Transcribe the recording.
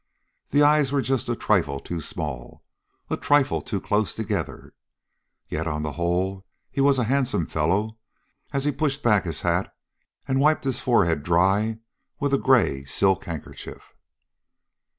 The eyes were just a trifle too small, a trifle too close together. Yet on the whole he was a handsome fellow, as he pushed back his hat and wiped his forehead dry with a gay silk handkerchief.